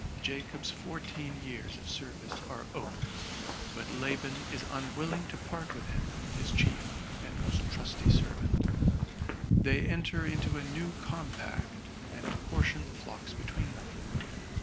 Jacob's fourteen years of service are over; but Laban is unwilling to part with him, his chief and most trusty ser vant. They enter into a new compact, and portion the flocks between them.